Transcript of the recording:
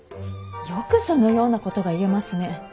よくそのようなことが言えますね。